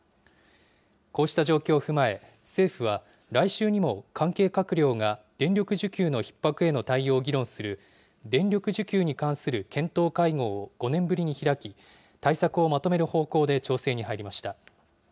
こうした状況を踏まえ、政府は来週にも関係閣僚が電力需給のひっ迫への対応を議論する、電力需給に関する検討会合を５年ぶりに開き、対策をまとめる方向で調整に入りました。